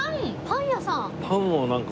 パン屋さん？